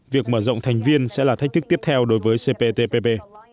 việc mở rộng thành viên sẽ là thách thức tiếp theo đối với cptpp